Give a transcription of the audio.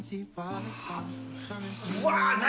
うわー、何？